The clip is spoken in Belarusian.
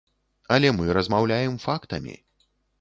Але мы размаўляем фактамі.